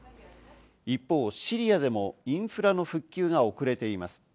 一方、シリアでもインフラの復旧が遅れています。